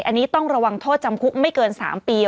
อันนี้ต้องระวังโทษจำคุกไม่เกิน๓ปี